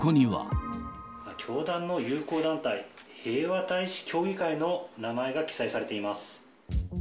教団の友好団体、平和大使協議会の名前が記載されています。